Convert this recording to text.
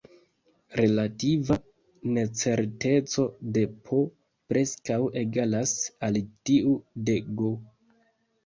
Relativa necerteco de "P" preskaŭ egalas al tiu de "G".